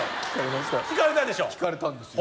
ほら聞かれたんですよ